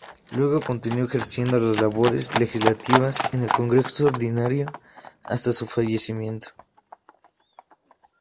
Luego continuó ejerciendo las labores legislativas en el congreso ordinario, hasta su fallecimiento.